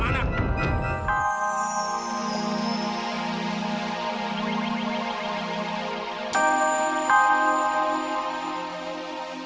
aduh teteh ampun